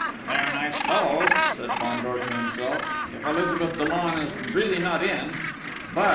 "They are nice fellows," said Fandor to himself. "If Elizabeth Dollon is really not in!... but...